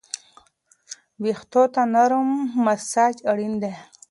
ویښتو ته نرمه مساج اړین دی.